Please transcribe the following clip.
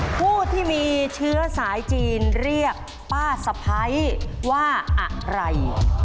ผู้ที่มีเชื้อสายจีนเรียกป้าสะพ้ายว่าอะไร